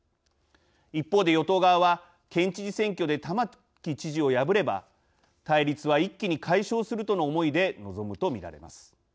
一方で与党側は県知事選挙で玉城知事を破れば対立は一気に解消するとの思いで臨むと見られます。